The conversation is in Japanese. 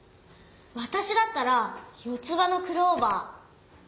わたしだったら四つ葉のクローバー。